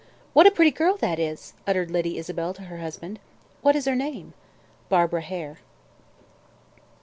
"What a pretty girl that is!" uttered Lady Isabel to her husband. "What is her name?" "Barbara Hare."